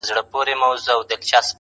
خو ذهن نه هېرېږي هېڅکله تل,